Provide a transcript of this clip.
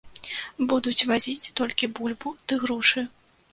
Будуць вазіць толькі бульбу ды грушы.